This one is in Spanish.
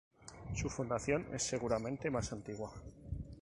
Su fundación es seguramente más antigua.